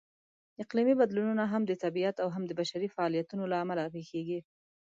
اقلیمي بدلونونه هم د طبیعت او هم د بشري فعالیتونو لهامله پېښېږي.